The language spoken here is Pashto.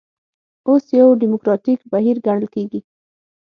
اوس یو ډیموکراتیک بهیر ګڼل کېږي.